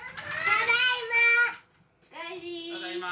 ただいま。